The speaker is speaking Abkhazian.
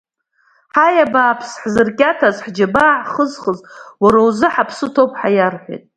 Ҳаи, абаааԥсы, ҳзыркьаҭаз, ҳџьабаа ҳхызхыз, уара узы ҳаԥсы ҭоуп, ҳәа иарҳәеит.